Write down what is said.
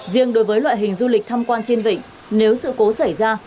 riêng đối với loại hình du lịch thăm quan trên vịnh nếu sự cố xảy ra